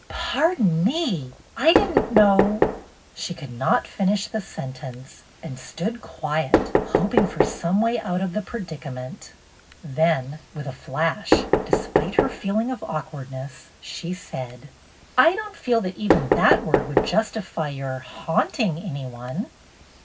" Pardon me, I did >n't^know —" She could not finish the sentence, and stood quiet, hoping for some way out pf the predica ment. Then, with a flash, despite her feeling of awkwardness, she said : 122 BETTY BAIRD'S GOLDEN YEAR "I don't feel that even that word would justify your — haunting any one."